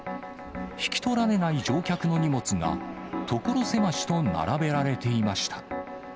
引き取られない乗客の荷物が、所狭しと並べられていました。